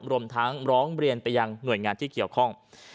รวมทั้งร้องเรียนไปยังหน่วยงานที่เกี่ยวข้อง